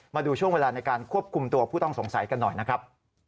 มาดูช่วงเวลาในการควบคุมตัวผู้ต้องสงสัยกันหน่อยนะครับ